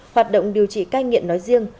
hoạt động điều trị cai nghiện nói riêng